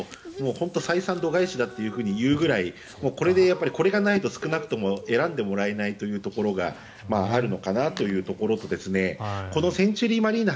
本当に採算度外視だというぐらいこれがないと選んでもらえないというところがあるのかなというところとこのセンチュリーマリーナ